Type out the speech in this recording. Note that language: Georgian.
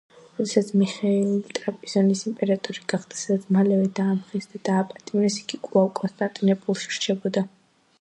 როდესაც მიხეილი ტრაპიზონის იმპერატორი გახდა, სადაც მალევე დაამხეს და დააპატიმრეს, იგი კვლავ კონსტანტინოპოლში რჩებოდა.